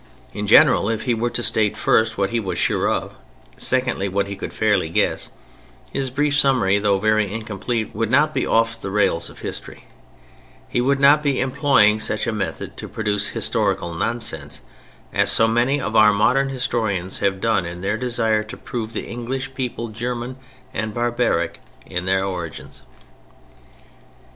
In general, if he were to state first what he was sure of, secondly, what he could fairly guess, his brief summary, though very incomplete, would not be off the rails of history; he would not be employing such a method to produce historical nonsense, as so many of our modern historians have done in their desire to prove the English people German and barbaric in their origins.